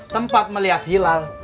tempat melihat hilal